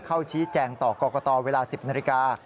เข้าชี้แจงต่อกรกตเวลา๑๐นาฬิกา